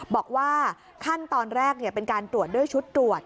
บอกว่าขั้นตอนแรกเป็นการตรวจด้วยชุดตรวจ